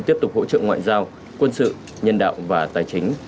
tiếp tục hỗ trợ ngoại giao quân sự nhân đạo và tài chính